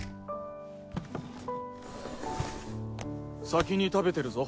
先に食べてるぞ。